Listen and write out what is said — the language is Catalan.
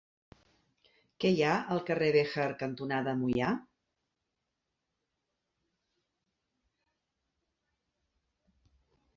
Què hi ha al carrer Béjar cantonada Moià?